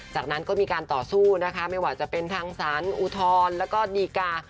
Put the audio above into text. จากนั้นก็มีการต่อสู้นะคะไม่ว่าจะเป็นทางสารอุทธรณ์แล้วก็ดีกา